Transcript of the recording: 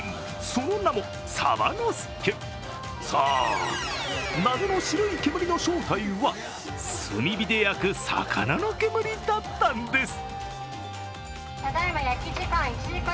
そう、謎の白い煙の正体は炭火で焼く魚の煙だったんです。